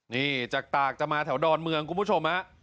นี่จากตากจะมาแถวดอนเมืองคุณผู้ชมฮะ